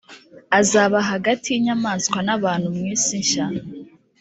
azaba hagati y inyamaswa n abantu mu isi nshya